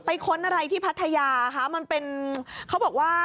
ค้นอะไรที่พัทยาคะมันเป็นเขาบอกว่า